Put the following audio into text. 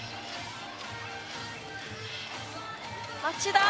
町田！